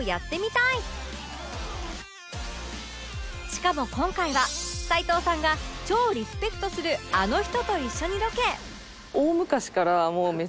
しかも今回は齊藤さんが超リスペクトするあの人と一緒にロケ